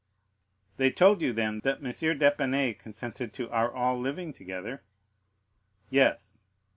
"They told you, then, that M. d'Épinay consented to our all living together?" "Yes."